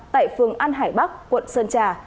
tại phường an hải bắc quận sơn trà